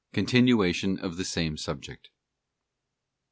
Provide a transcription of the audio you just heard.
Continuation of the same subject.